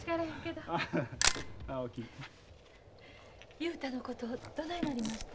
雄太のことどないなりました？